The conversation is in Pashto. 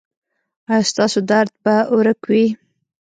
ایا ستاسو درد به ورک وي؟